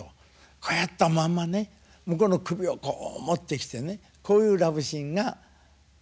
こうやったまんまね向こうの首をこう持ってきてねこういうラブシーンが。